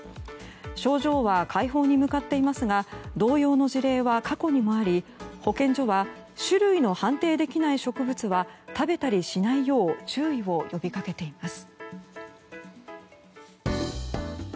症状は快方に向かっていますが同様の事例は過去にもあり保健所は種類の判定できない植物は食べたりしないよう注意を呼びかけています。